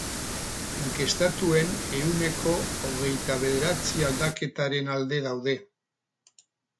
Inkestatuen ehuneko hogeita bederatzi aldaketaren alde daude.